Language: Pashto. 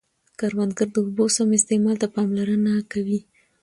کروندګر د اوبو سم استعمال ته پاملرنه کوي